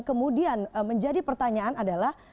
kemudian menjadi pertanyaan adalah